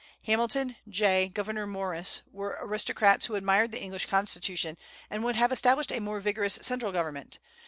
Hamilton, Jay, Gouverneur Morris, were aristocrats who admired the English Constitution, and would have established a more vigorous central government.